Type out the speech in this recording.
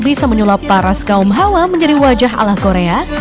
bisa menyulap paras kaum hawa menjadi wajah ala korea